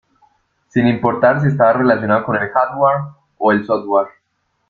sin importar si estaba relacionado con el hardware o el software